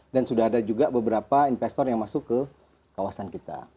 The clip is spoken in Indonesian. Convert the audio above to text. dan sudah ada juga beberapa investor yang masuk ke kawasan kita